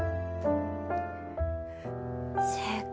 正解。